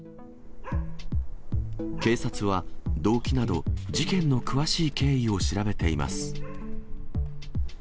警察は、動機など事件の詳しい経緯を調べています。